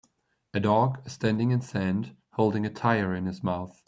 A dog standing in sand, holding a tire in his mouth.